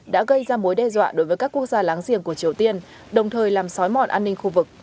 đã gây ra mối đe dọa đối với các quốc gia láng giềng của triều tiên đồng thời làm sói mòn an ninh khu vực